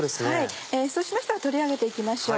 そうしましたら取り上げて行きましょう。